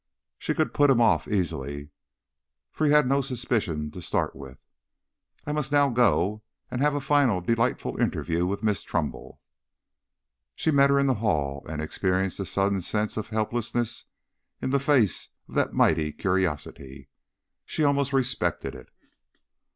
She could put him off easily, for he had no suspicion to start with. I must now go and have a final delightful interview with Miss Trumbull." She met her in the hall, and experienced a sudden sense of helplessness in the face of that mighty curiosity. She almost respected it.